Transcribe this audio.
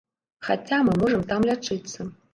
Хаця мы можам там лячыцца.